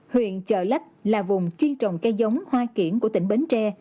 huyện chợ lách là vùng chuyên trồng cây giống hoa kiển của tỉnh bến tre